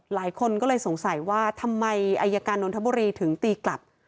หลายคนก็เลยสงสัยว่าทำไมอายการนนทบุรีถึงตีกลับ